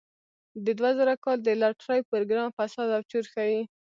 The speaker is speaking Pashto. د دوه زره کال د لاټرۍ پروګرام فساد او چور ښيي.